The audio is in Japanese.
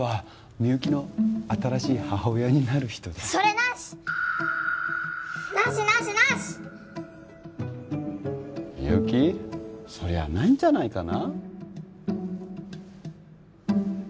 みゆきそりゃないんじゃないかな？